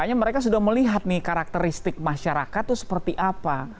makanya mereka sudah melihat nih karakteristik masyarakat itu seperti apa